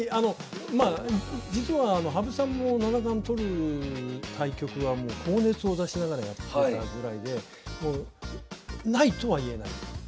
まあ実は羽生さんも七冠取る対局は高熱を出しながらやってたぐらいでもうないとはいえない。